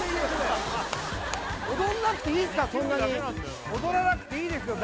踊んなくていいっすからそんなに踊らなくていいですよ